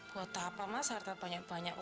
buat apa mas harta banyak banyak